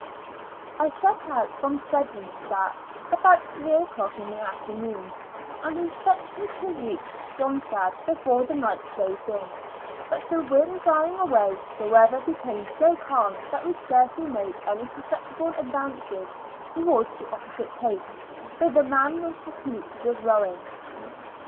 I set out from Fredericstadt about three o'clock in the afternoon, and expected to reach Stromstad before the night closed in; but the wind dying away, the weather became so calm that we scarcely made any perceptible advances towards the opposite coast, though the men were fatigued with rowing.